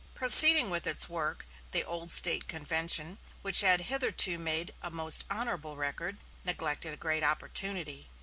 Proceeding with its work, the old State convention, which had hitherto made a most honorable record, neglected a great opportunity.